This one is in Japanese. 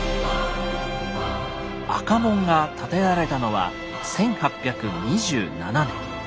赤門が建てられたのは１８２７年。